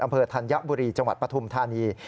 อำเภอธัญบุรีจังหวัดปฐุมธานี